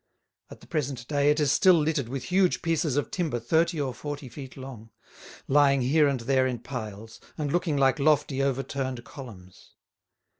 At the present day it is still littered with huge pieces of timber thirty or forty feet long, lying here and there in piles, and looking like lofty overturned columns.